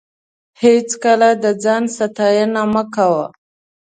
هېڅکله د ځان ستاینه مه کوه.